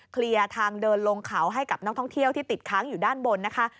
เคลียร์ทางเดินลงเขาให้กับนักท่องเที่ยวที่ติดค้างอยู่ด้านบนนะคะ